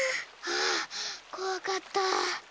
はあこわかった。